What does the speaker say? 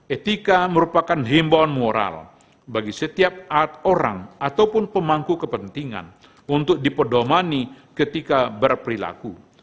etika merupakan himbauan moral bagi setiap orang ataupun pemangku kepentingan untuk dipedomani ketika berperilaku